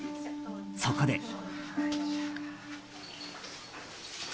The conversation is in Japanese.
そこで。